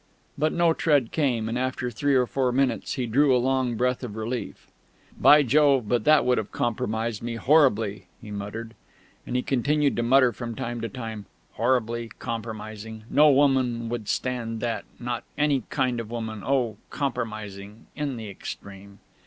But no tread came, and after three or four minutes he drew a long breath of relief. "By Jove, but that would have compromised me horribly!" he muttered.... And he continued to mutter from time to time, "Horribly compromising ... no woman would stand that ... not any kind of woman ... oh, compromising in the extreme!"